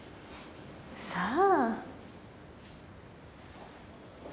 さあ？